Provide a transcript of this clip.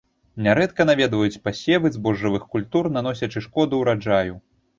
Нярэдка наведваюць пасевы збожжавых культур, наносячы шкоду ўраджаю.